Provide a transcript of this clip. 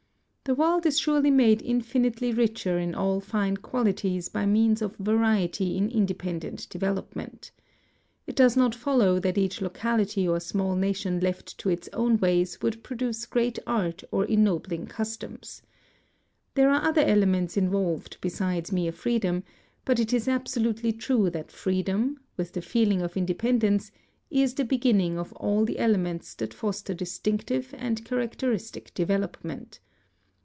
The world is surely made infinitely richer in all fine quali ties by means of variety in independent development. It does not follow that each locality or small nation left to its own ways would produce great art or ennobling customs. There are other elements involved besides mere freedom, but it is absolutely true that freedom, with the feeling of independence, is the beginning of all the elements that foster distinctive and characteristic development.